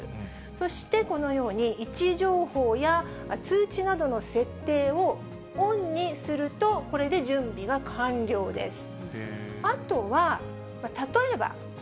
そしてこのように、位置情報や通知などの設定をオンにすると、これで準備が完了です。